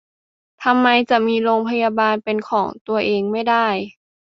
ทำไมจะมีโรงพยาบาลเป็นของตัวเองไม่ได้